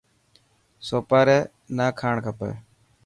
سوپاري نا کاڻ کپي.